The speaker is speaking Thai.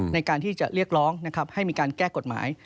ในการที่จะเรียกร้องนะครับให้มีการแก้กฎหมาย